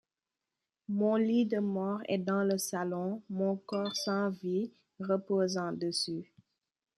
Mon lit de mort est dans le salon, mon corps sans vie reposant dessus.